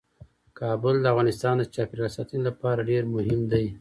کابل د افغانستان د چاپیریال ساتنې لپاره ډیر مهم دی.